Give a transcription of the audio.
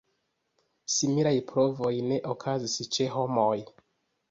Similaj provoj ne okazis ĉe homoj.